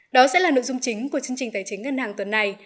đó sẽ là nội dung chính của chương trình tài chính ngân hàng tuần này